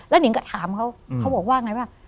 หนิงก็ถามเขาเขาบอกว่าไงว่า